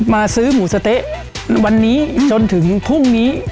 มาซื้อหมูสะเต๊ะวันนี้จนถึงพรุ่งนี้